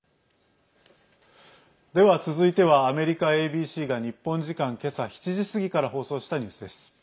では、続いてはアメリカＡＢＣが日本時間けさ７時過ぎから放送したニュースです。